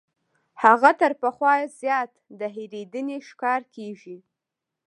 هغه تر پخوا زیات د هېرېدنې ښکار کیږي.